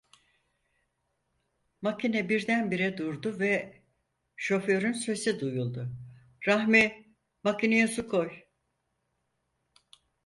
Makine birdenbire durdu ve şoförün sesi duyuldu: "Rahmi… Makineye su koy!"